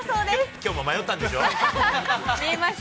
きょうも迷ったんでしょ？